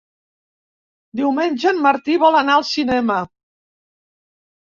Diumenge en Martí vol anar al cinema.